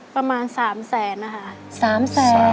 ประมาณ๓แสนนะคะ